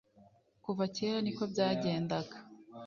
Kuva kera niko byagendaga.